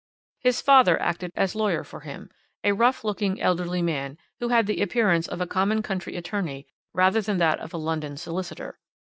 "His father acted as lawyer for him, a rough looking elderly man, who had the appearance of a common country attorney rather than of a London solicitor.